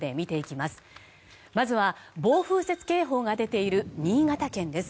まずは、暴風雪警報が出ている新潟県です。